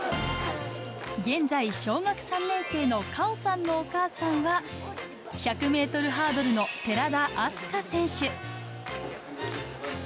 現在、小学３年生の果緒さんのお母さんは、１００メートルハードルの寺田明日香選手。